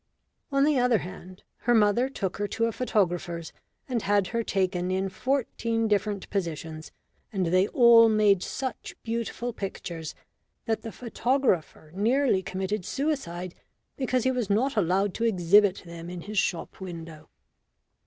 On the other hand, her mother took her to a photographer's and had her taken in fourteen different positions, and they all made such beautiful pictures that the photographer nearly committed suicide because he was not allowed to exhibit them in his shop window.